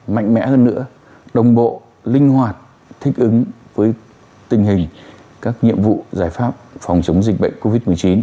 mạnh mẽ hơn nữa đồng bộ linh hoạt thích ứng với tình hình các nhiệm vụ giải pháp phòng chống dịch bệnh covid một mươi chín